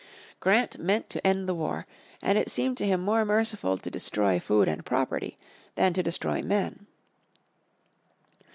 Grant meant to end the war, and it seemed to him more merciful to destroy food and property than to destroy men.